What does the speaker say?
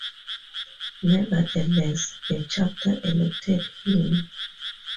Nevertheless, the Chapter elected him.